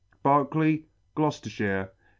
Berkeley, Gloucefterfhire, Dec.